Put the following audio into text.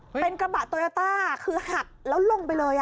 เป็นกระบะโตโยต้าคือหักแล้วลงไปเลยอ่ะ